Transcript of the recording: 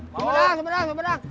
semedang semedang semedang